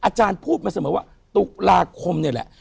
อาจารย์พูดมาเสมอว่าตุลาคมนี่แหละ